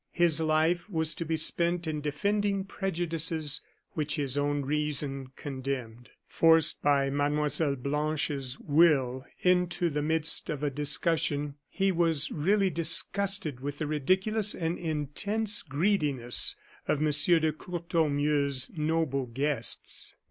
His life was to be spent in defending prejudices which his own reason condemned. Forced by Mlle. Blanche's will into the midst of a discussion, he was really disgusted with the ridiculous and intense greediness of M. de Courtornieu's noble guests.